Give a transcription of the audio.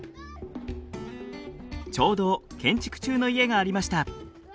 ちょうど建築中の家がありました。